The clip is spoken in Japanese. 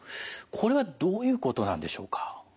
これはどういうことなんでしょうか？